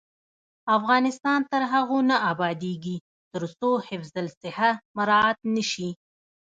افغانستان تر هغو نه ابادیږي، ترڅو حفظ الصحه مراعت نشي.